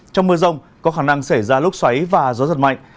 trong mưa rông có khả năng xảy ra lốc xoáy và gió giật mạnh